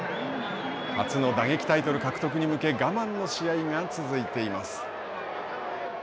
初の打撃タイトル獲得に向け我慢の試合が続いています。